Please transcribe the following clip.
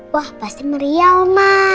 wah pasti meriah oma